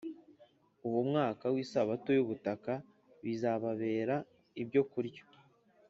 uwo mwaka w isabato y ubutaka bizababere ibyokurya